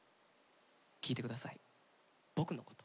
聴いてください、「僕のこと」。